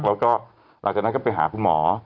แล้วก็หลังจากนั้นก็ไปหาคุณหมอ